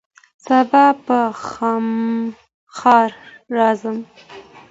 سبا به خامخا راځي.